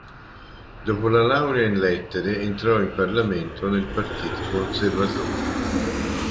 Dopo la laurea in lettere, entrò in Parlamento nel partito conservatore.